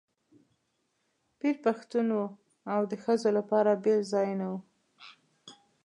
پیر پښتون و او د ښځو لپاره بېل ځایونه وو.